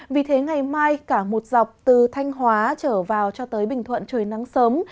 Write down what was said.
vì thế ngày mai cả một dọc từ thanh hóa trở vào cho tới bình thuận trời nắng sớm